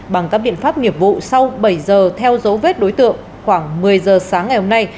bằng các biện pháp nghiệp vụ sau bảy giờ theo dấu vết đối tượng khoảng một mươi giờ sáng ngày hôm nay